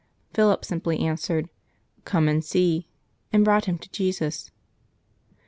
" Philip simply answered, '^ Come and see," and brought him to Jesus.